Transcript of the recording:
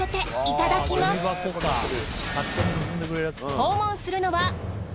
訪問するのは。